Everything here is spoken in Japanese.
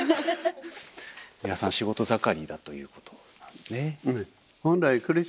皆さん仕事盛りだということなんですね。